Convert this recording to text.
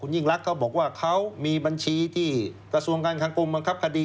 ยิ่งรักเขาบอกว่าเขามีบัญชีที่กระทรวงการคังกรมบังคับคดี